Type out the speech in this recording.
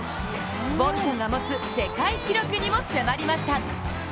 ボルトが持つ世界記録にも迫りました。